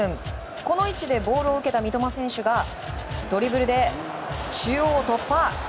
この位置でボールを受けた三笘選手がドリブルで中央を突破。